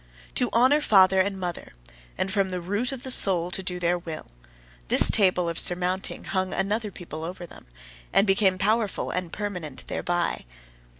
"To honour father and mother, and from the root of the soul to do their will" this table of surmounting hung another people over them, and became powerful and permanent thereby.